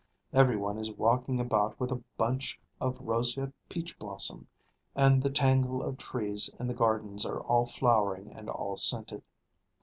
Every one is walking about with a bunch of roseate peach blossom, and the tangles of trees in the gardens are all flowering and all scented.